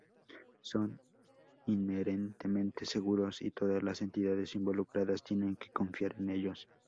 Son inherentemente seguros y todas las entidades involucradas tienen que confiar en ellos.